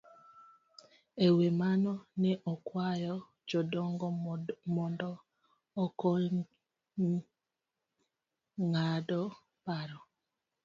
E wi mano, ne okwayo jodongo mondo okonygi ng'ado paro